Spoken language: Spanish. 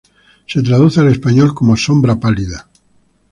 Se traduce al español como Sombra Pálida.